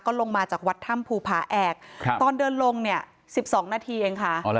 ลงมาจากวัดถ้ำภูผาแอกตอนเดินลงเนี่ย๑๒นาทีเองค่ะ